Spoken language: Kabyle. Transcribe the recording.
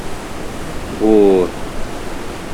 Buh!